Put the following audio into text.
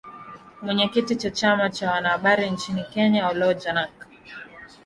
Mwenyekiti wa chama cha wanahabari nchini Kenya Oloo Janak